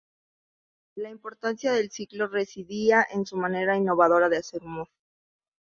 La importancia del ciclo residía en su manera innovadora de hacer humor.